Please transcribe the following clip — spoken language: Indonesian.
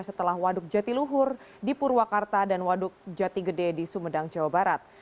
setelah waduk jatiluhur di purwakarta dan waduk jati gede di sumedang jawa barat